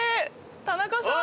田中さん！